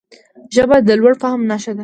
ژبه د لوړ فهم نښه ده